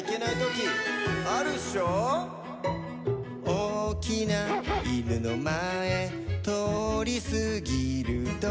「おおきないぬのまえとおりすぎるとき」